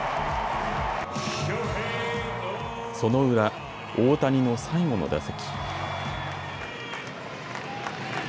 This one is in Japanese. その裏、大谷の最後の打席。